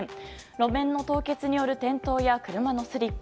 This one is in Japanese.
路面の凍結による転倒や車のスリップ